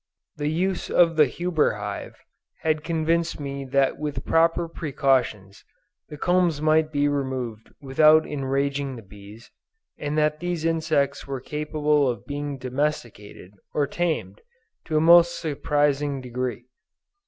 The use of the Huber hive had convinced me that with proper precautions, the combs might be removed without enraging the bees, and that these insects were capable of being domesticated or tamed, to a most surprising degree.